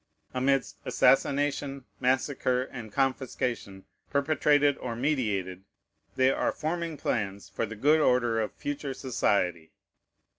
Amidst assassination, massacre, and confiscation, perpetrated or meditated, they are forming plans for the good order of future society.